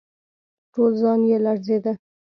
ټول ځان يې لړزېده.